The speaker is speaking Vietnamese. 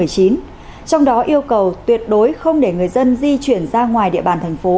trong đó yêu cầu tuyệt đối không để người dân di chuyển ra ngoài địa bàn thành phố